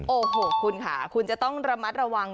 โอ้โหคุณค่ะคุณจะต้องระมัดระวัง